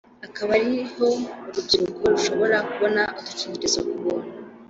akaba ari ho urubyiruko rushobora kubona udukingirizo ku buntu